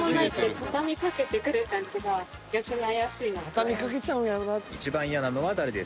畳みかけちゃうんやろな。